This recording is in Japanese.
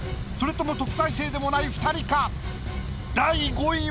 それとも特待生でもない２人か？